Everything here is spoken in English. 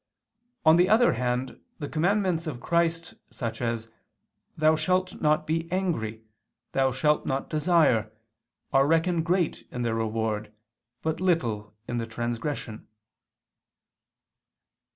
On the other hand the commandments of Christ such as, Thou shalt not be angry, Thou shalt not desire, are reckoned great in their reward, but little in the transgression."